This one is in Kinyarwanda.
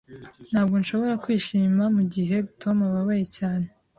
Ntabwo nshobora kwishima mugihe Tom ababaye cyane.